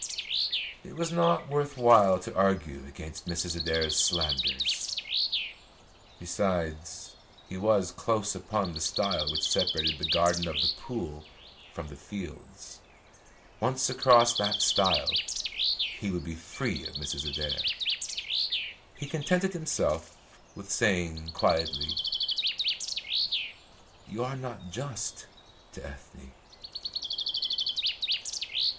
It was not worth while to argue against Mrs. Adair's slanders. Besides, he was close upon the stile which separated the garden of The Pool from the fields. Once across that stile, he would be free of Mrs. Adair. He contented himself with saying quietly: "You are not just to Ethne."